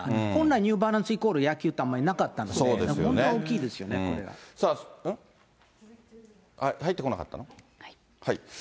本来、ニューバランスイコール野球ってあんまりなかったんで、本入ってこなかったの？